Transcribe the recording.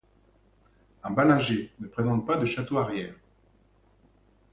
Un balinger ne présente pas de château arrière.